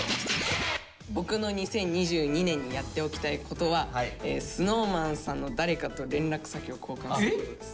僕の「２０２２年にやっておきたいこと」はＳｎｏｗＭａｎさんの誰かと連絡先を交換することです。